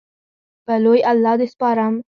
په لوی الله دې سپارم